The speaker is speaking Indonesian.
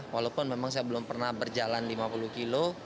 walaupun memang saya belum pernah berjalan lima puluh kilo